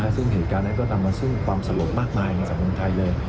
ซึ่งเหตุการณ์นั้นก็นำมาซึ่งความสลดมากมายในสังคมไทยเลย